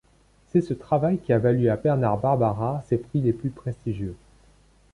C’est ce travail qui a valu à Bernard Barbara ses prix les plus prestigieux.